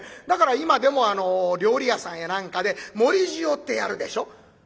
だから今でも料理屋さんや何かで盛り塩ってやるでしょ？